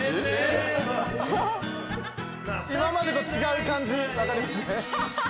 今までと違う感じわかりますね。